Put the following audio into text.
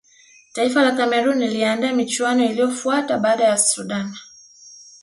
taifa la cameroon liliandaa michuano iliyofuata baada ya sudan